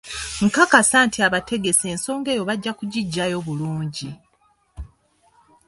Nkakasa nti abategesi ensonga eyo bajja kugiggyayo bulungi